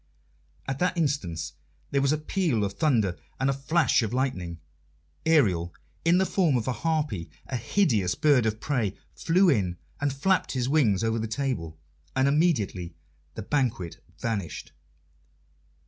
At that instant there was a peal of thunder and a flash of lightning. Ariel, in the form of a harpy, a hideous bird of prey, flew in and flapped his wings over the table, and immediately the banquet vanished.